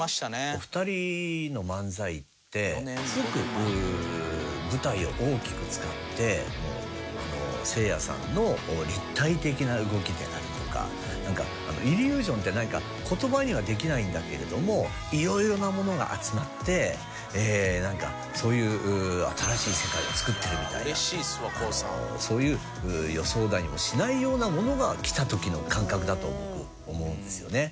お二人の漫才ってすごく舞台を大きく使ってせいやさんの立体的な動きであるとかイリュージョンってなんか言葉にはできないんだけれども色々なものが集まってそういう新しい世界を作ってるみたいなそういう予想だにしないようなものがきた時の感覚だと僕思うんですよね。